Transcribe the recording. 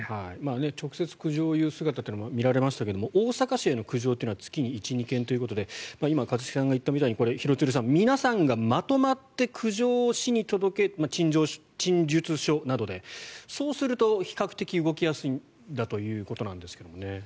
直接苦情を言う姿も見られましたけど大阪市への苦情というのは月に１２件ということで今、一茂さんが言ったみたいに廣津留さん、皆さんがまとまって苦情を市に陳情書などで届けるとそうすると比較的動きやすいんだということなんですけどね。